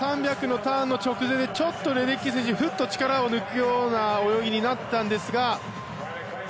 ３００のターンの直前でちょっとレデッキー選手はふっと力を抜くような泳ぎになったんですが。